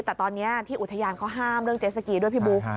แต่ตอนนี้ที่อุทยานเขาห้ามเรื่องเจสสกีด้วยพี่บุ๊ค